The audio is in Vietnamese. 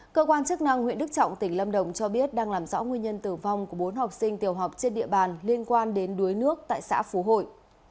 cơ quan chức năng huyện đức trọng tỉnh lâm đồng cho biết đang làm rõ nguyên nhân tử vong của bốn học sinh tiểu học trên địa bàn liên quan đến đuối nước tại xã phú hội